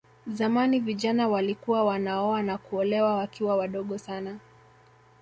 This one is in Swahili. Zamani vijana walikuwa wanaoa na kuolewa wakiwa wadogo sana